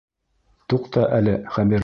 Туҡта әле, Хәбирә...